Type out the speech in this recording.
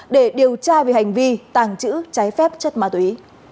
để điều tra về hành vi tàng trữ trái phép chất ma túy